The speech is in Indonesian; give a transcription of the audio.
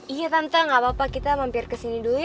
iya tante gak apa apa kita mampir kesini dulu ya